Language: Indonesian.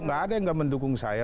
nggak ada yang nggak mendukung saya